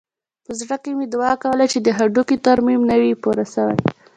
په زړه کښې مې دعا کوله چې د هډوکي ترميم نه وي پوره سوى.